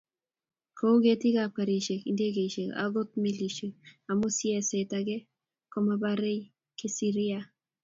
Kou ketiikab garisyek, indegeisyek ako melisyek amu sieet agenge komabaraei kisirya.